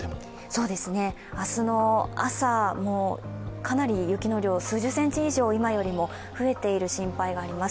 明日の朝もかなり雪の量、数十センチ以上、今よりも増えている心配があります。